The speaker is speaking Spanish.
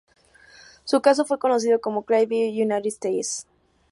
Su caso fue conocido como Clay v. United States.